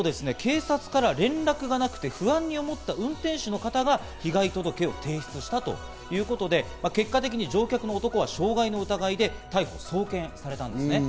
そのあと警察官から連絡がなく、不安に思った運転手は被害届を提出したということで、結果的に乗客の男は傷害の疑いで逮捕・送検されたんですね。